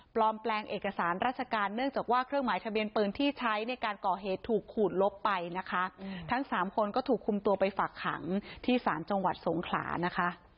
แปลงเอกสารราชการเนื่องจากว่าเครื่องหมายทะเบียนปืนที่ใช้ในการก่อเหตุถูกขูดลบไปนะคะทั้งสามคนก็ถูกคุมตัวไปฝากขังที่ศาลจังหวัดสงขลานะคะ